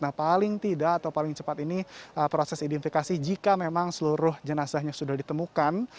nah paling tidak atau paling cepat ini proses identifikasi jika memang seluruh jenazahnya sudah ditemukan